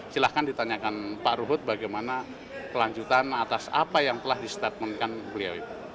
silahkan ditanyakan pak ruhut bagaimana pelanjutan atas apa yang telah distatmenkan beliau